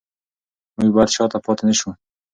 موږ باید شاته پاتې نشو.